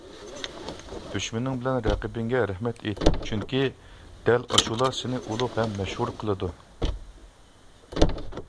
دۈشمىنىڭ بىلەن رەقىبىڭگە رەھمەت ئېيت. چۈنكى دەل ئاشۇلا سېنى ئۇلۇغ ھەم مەشھۇر قىلىدۇ.